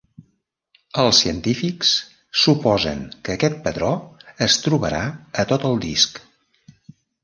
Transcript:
Els científics suposen que aquest patró es trobarà a tot el disc.